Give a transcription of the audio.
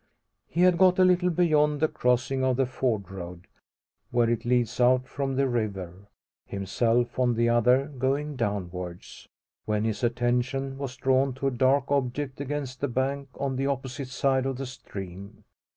He had got a little beyond the crossing of the Ford road, where it leads out from the river himself on the other going downwards when his attention was drawn to a dark object against the bank on the opposite side of the stream.